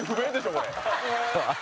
これ。